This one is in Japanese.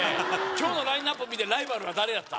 今日のラインナップ見てライバルは誰やった？